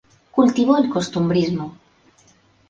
Cultivó el costumbrismo.